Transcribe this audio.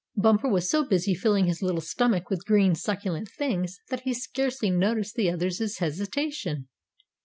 Bumper was so busy filling his little stomach with green, succulent things that he scarcely noticed the other's hesitation.